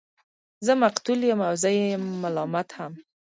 زه مقتول يمه او زه يم ملامت هم